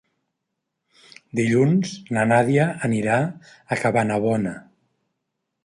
Dilluns na Nàdia anirà a Cabanabona.